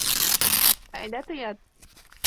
Айда тыят!